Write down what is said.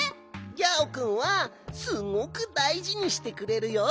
ギャオくんはすごくだいじにしてくれるよ。